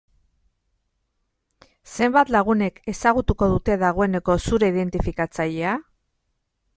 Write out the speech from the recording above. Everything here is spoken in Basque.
Zenbat lagunek ezagutuko dute, dagoeneko zure identifikatzailea?